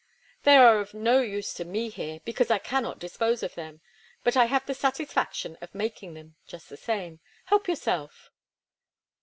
"They are of no use to me here, because I cannot dispose of them. But I have the satisfaction of making them, just the same. Help yourself!"